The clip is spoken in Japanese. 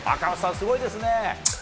すごいですね。